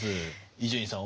伊集院さん